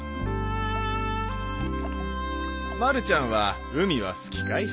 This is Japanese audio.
まるちゃんは海は好きかい？